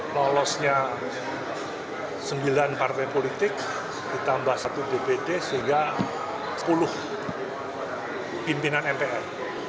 lolosnya sembilan partai politik ditambah satu dpd sehingga sepuluh pimpinan mpr